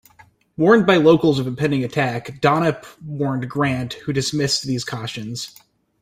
Warned by locals of impending attack, Donop warned Grant, who dismissed these cautions.